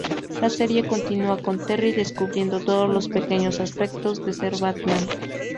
La serie continúa, con Terry descubriendo todos los pequeños aspectos de ser Batman.